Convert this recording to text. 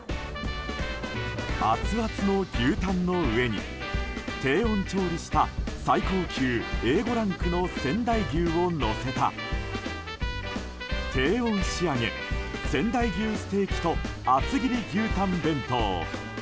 アツアツの牛タンの上に低温調理した最高級Ａ５ランクの仙台牛をのせた低温仕上げ仙台牛ステーキと厚切り牛たん弁当。